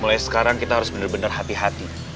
mulai sekarang kita harus bener bener hati hati